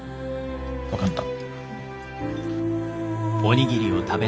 分かった。